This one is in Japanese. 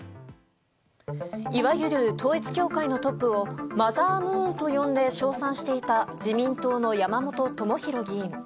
いわゆる統一教会のトップをマザームーンと呼んで称賛していた自民党の山本朋広議員。